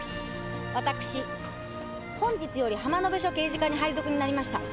私本日より浜ノ辺署刑事課に配属になりました